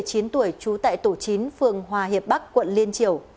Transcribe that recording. đó là một người chú tại tổ chính phường hòa hiệp bắc quận liên triểu